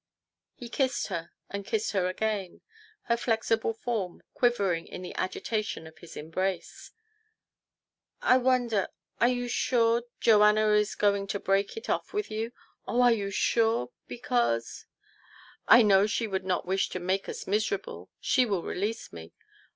He kissed her and kissed her again, her flexible form quivering in the agitation of his embrace. " I wonder are you sure Joanna is going to break off with you ? Oh, are you sure ? Because " TO PLEASE HIS WIFE. 113 " I know she would not wish to make us miserable. She will release me."